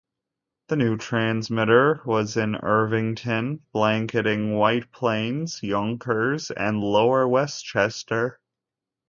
The new transmitter was in Irvington, blanketing White Plains, Yonkers and lower Westchester.